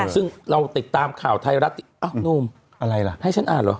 ซึ่งเราติดตามข่าวไทยรัฐอ้าวนุ่มอะไรล่ะให้ฉันอ่านเหรอ